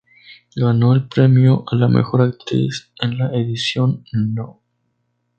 Ganó el premio a la Mejor Actriz en la edición No.